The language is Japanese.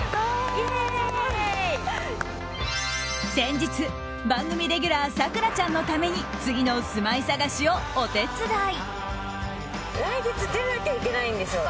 先日、番組レギュラー咲楽ちゃんのために次の住まい探しをお手伝い。